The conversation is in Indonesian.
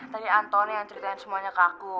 tadi antoni yang ceritain semuanya ke aku